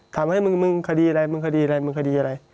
ทำให้มึงมึงคดีอะไรมึงคดีอะไรมึงคดีอะไร